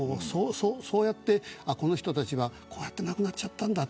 そうやって、この人たちはこうやって亡くなっちゃったんだ。